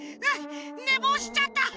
ねぼうしちゃった。